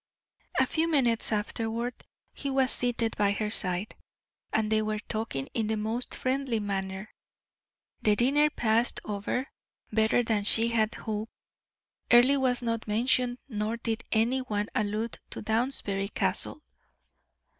A few minutes afterward he was seated by her side, and they were talking in the most friendly manner. The dinner passed over better than she had hoped. Earle was not mentioned nor did any one allude to Downsbury Castle.